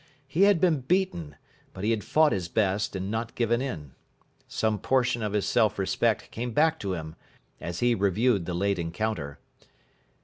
He had been beaten, but he had fought his best, and not given in. Some portion of his self respect came back to him as he reviewed the late encounter.